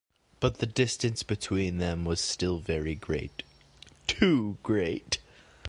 But the distance between them was still very great — too great.